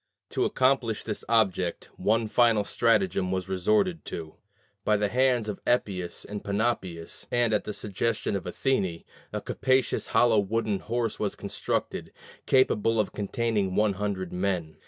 To accomplish this object, one final stratagem was resorted to. By the hands of Epeius of Panopeus, and at the suggestion of Athene, a capacious hollow wooden horse was constructed, capable of containing one hundred men.